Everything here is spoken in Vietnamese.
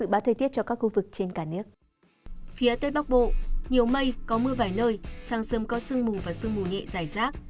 bắc bộ nhiều mây có mưa vài nơi sáng sớm có sương mù và sương mù nhẹ dài rác